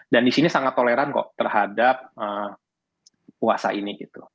dan di sini sangat toleran kok terhadap puasa ini gitu